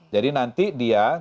jadi nanti dia kemudian